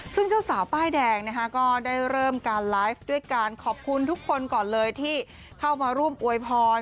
ซึ่งเจ้าสาวป้ายแดงนะคะก็ได้เริ่มการไลฟ์ด้วยการขอบคุณทุกคนก่อนเลยที่เข้ามาร่วมอวยพร